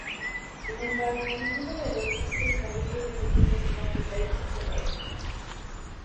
Sin embargo, ninguno de los dos hombres cambió su residencia como su país misionero.